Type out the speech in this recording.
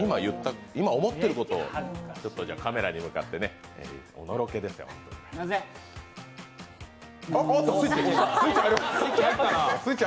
今、思ってることをカメラに向かってね、おのろけですが。